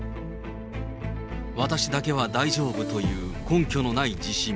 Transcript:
私だけは大丈夫という根拠のない自信。